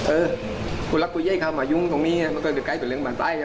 เออคุณลักษณ์กูเย้ยค่ะมายุ้งตรงนี้มันก็จะไกลไปเรื่องบ้านใต้